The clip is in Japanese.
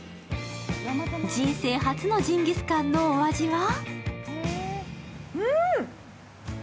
人生初のジンギスカンのお味は？